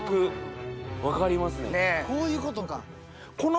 こういうことか。